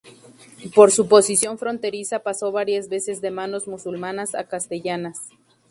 Por su posición fronteriza paso varias veces de manos musulmanas a castellanas.